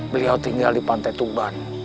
beliau tinggal di pantai tuban